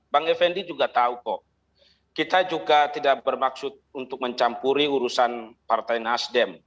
bang effendi juga tahu kok kita juga tidak bermaksud untuk mencampuri urusan partai nasdem